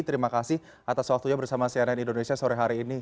terima kasih atas waktunya bersama cnn indonesia sore hari ini